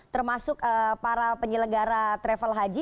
termasuk para penyelenggara travel haji